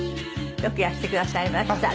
よくいらしてくださいました。